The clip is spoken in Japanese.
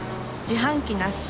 自販機なし。